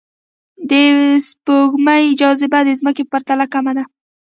د سپوږمۍ جاذبه د ځمکې په پرتله کمه ده